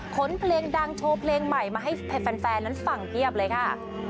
เพลงดังโชว์เพลงใหม่มาให้แฟนนั้นฟังเพียบเลยค่ะ